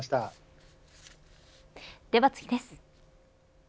では次です。